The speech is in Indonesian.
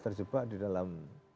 terjebak di dalam